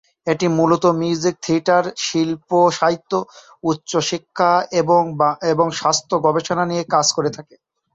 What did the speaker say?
এটি মূলত music, theatre, শিল্প সাহিত্য, উচ্চতর শিক্ষা এবং স্বাস্থ্য গবেষণা নিয়ে কাজ করে থাকে।